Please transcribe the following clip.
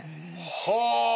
はあ！